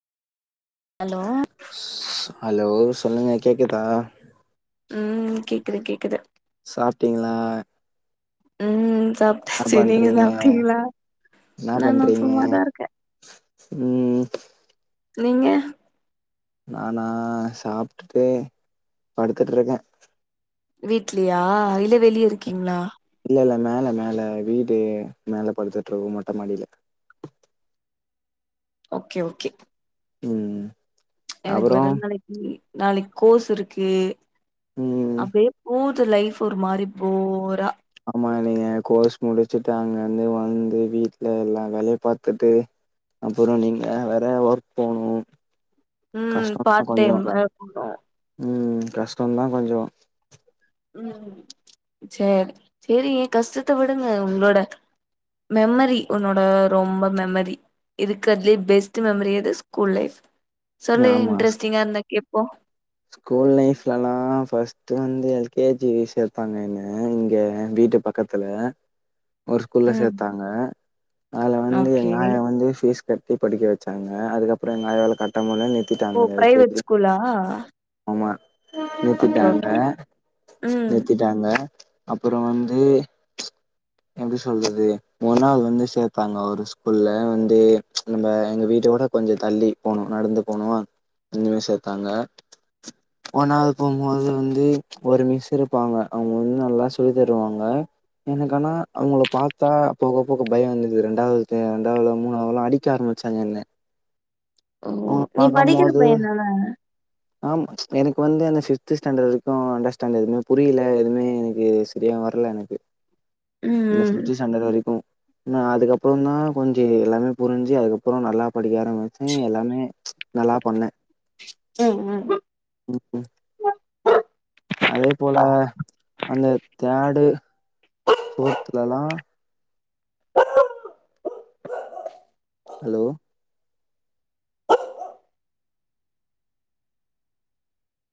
hello hello சொல்லுங்க கேக்குதா ம் கேக்குது கேக்குது சாப்ட்டீங்கிளா ம் சாப்ட்டாச்சு நீங்க பண்றீங்க சாப்ட்டீங்கிளா என்ன நான பண்றீங்க சும்மாதா இருக்கே ம் நீங்க நானா சாப்ட்டுட்டு படுத்துட்ருக்கே வீட்லியா இல்ல வெளிய இருக்கீங்ளா இல்ல இல்ல மேல மேல வீடு மேலப் படுத்துட்ருகும் மொட்ட மாடிலே ஓகே ஓகே ம் எனக்கு அப்புறோ வெறண் நாளைக்கி நாளைக் கோஷூருக்கு ம் அப்பேப் பூது லைஃப் ஒரு மாரி போரா ஆமா நீங்க கோர்ஸ் முடிச்சுட்டு அங்கந்து வந்து வந்து வீட்ல எல்லா வேலையப் பாத்துட்டு அப்புறோ நீங்க வேற ஒர்க் போணு ம் கஷ்டோந்தா பார்ட் கொஞ்சோ டைம் வேறப் போனு ம் கஷ்டந்தா கொஞ்சோ ம் சேரி சேரி ஏங் கஷ்டத்த விடுங்க உங்ளோட மெமரி உன்னோட ரொம்ப மெமரி இதுக்கர்த்லியே பெஸ்ட்டு மெமரி எதுச் ஸ்கூல் லைஃப் சொல்லு இன்ட்ரெஸ்டிங்கா இருந்தாக் கேப்போ கூல் லைஃப்லலா ஃபர்ஸ்ட்டு வந்து எல் கே ஜி சேத்தாங்க என்ன இங்கே வீட்டுப் பக்கத் துலே ஒரு ஸ்கூல்ல ம் சேத்தாங்க அதுல வந்து எங்க ஓகே ஆயா வந்து ஃபீஸ் கட்டிப் படிக்க வெச்சாங்க அதுக்கப்றோ எங்க ஆயாவாலக் கட்ட முல்லன் ஓ நிறுத்திட்டாங்கத எல் கே ஜி பிரைவேட் லா ஸ்கூலா ஆமா ஓகே நித்திட்டாங்க ஓகே ம் நித்திட்டாங்க அப்பறோ வந்து எப்டி சொல்றது முன்னாவுது நாள் வந்து சேத்தாங்க ஒருச் ஸ்கூல்ல வந்து நம்ப எங்க வீட்டோட கொஞ்சோ தள்ளிப் போனோ நடந்து போனுமா இந்துமே சேத்தாங்க ஒன்னாவது போம்மோது வந்து ஒரு மிஸ் இருப்பாங்க அவுங்க வந் நல்லா சொல்லிதருவாங்க எனக்கானா அவுங்களப் பாத்தா போக போக பயோ வந்துருது ரெண்டாவதுடே ரெண்டாவதுல மூனாவதுலா அடிக் க்க ஆரம்பிச்சாங்க என்னே ஓ நீப் படிக்கிற பையந்தானே ஆம் எனக்கு வந்து அந்த ஃபிஃப்த்து ஸ்டாண்டர்ட் வரைக்கு அண்டர்ஸ்டாண்ட் எதுமே புரியல எதுமே எனகுச் செரியா வர்ல எனக்கு இந்த ம் ஃபிஃப்த்து ஸ்டாண்டர்ட் வரைக்கு நா அதுக்கப்பறோந்தா கொஞ்சோ எல்லாமே புரிஞ்சி அதுக்கப்பறோ நல்லாப் படிக்க ஆரம்பிச்சே எல்லாமே நல்லா பண்ணே ம் ம் ம் ஆ அதே போல அந்த தேர்டு ஹ ஃபோர்த்லலா ஹலோ